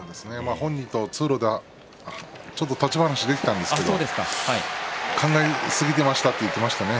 本人と通路でちょっと立ち話ができたんですけど考えすぎていましたと言ってましたね。